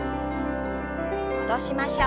戻しましょう。